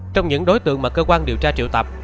trong những đối tượng mà cơ quan điều tra triệu tập